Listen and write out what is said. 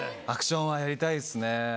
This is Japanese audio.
アクションはやりたいですね。